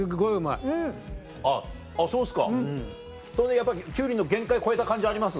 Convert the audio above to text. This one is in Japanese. やっぱキュウリの限界超えた感じあります？